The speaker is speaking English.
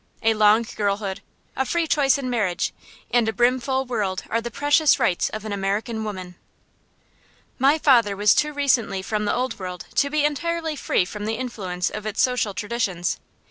A long girlhood, a free choice in marriage, and a brimful womanhood are the precious rights of an American woman. My father was too recently from the Old World to be entirely free from the influence of its social traditions.